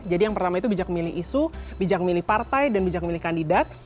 jadi yang pertama itu bijak memilih isu bijak memilih partai dan bijak memilih kandidat